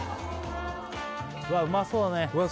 うわうまそうだねうわ